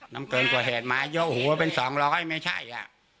นำเกินตัวเหตุมาเยอะหูว่าเป็นสองร้อยไม่ใช่อ่ะ